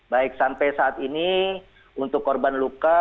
baik sampai saat ini untuk korban luka